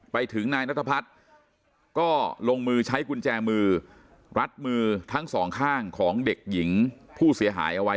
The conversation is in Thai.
ไปถึงนายนัทพัฒน์ก็ลงมือใช้กุญแจมือรัดมือทั้งสองข้างของเด็กหญิงผู้เสียหายเอาไว้